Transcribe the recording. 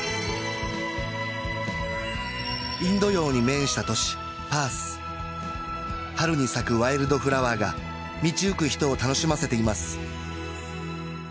インド洋に面した都市パース春に咲くワイルドフラワーが道行く人を楽しませています